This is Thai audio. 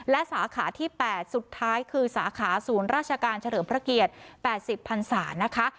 และสาขาที่๘สุดท้ายคือสาขาศูนย์ราชการเฉลิมพระเกียรติ๘๐พันศานะคะ